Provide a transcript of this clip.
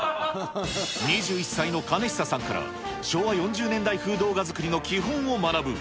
２１歳のかねひささんから、昭和４０年代風動画作りの基本を学ぶ。